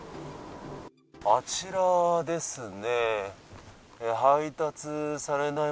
あちらですね。